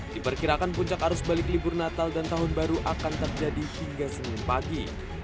diperkirakan puncak arus balik libur natal dan tahun baru akan terjadi hingga senin pagi